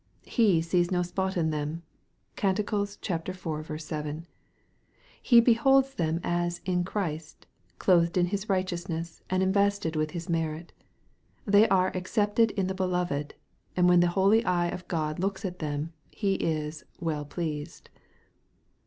He sees no spot in them. (Cant. iv. 7.) He beholds them as " in Christ," clothed in His righteous ness, and invested with His merit. They are " accepted in the Beloved," and when the holy eye of God looks at them, He is " well pleased."